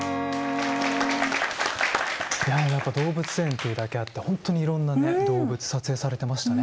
やっぱ動物園っていうだけあって本当にいろんなね動物撮影されてましたね。